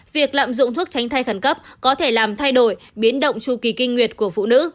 việc lạm dụng thuốc tránh thai khẩn cấp có thể làm thay đổi biến động tru kỳ kinh nguyệt của phụ nữ